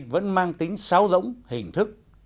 vẫn mang tính xáo rỗng hình thức